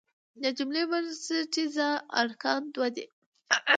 د جملې بنسټیز ارکان دوه دي.